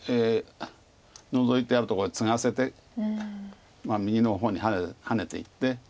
ノゾいてあるとこへツガせて右の方にハネていって。